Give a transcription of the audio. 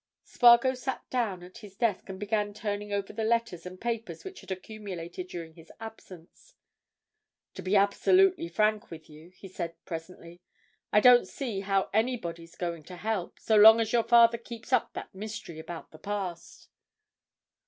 Spargo sat down at his desk and began turning over the letters and papers which had accumulated during his absence. "To be absolutely frank with you," he said, presently, "I don't see how anybody's going to help, so long as your father keeps up that mystery about the past."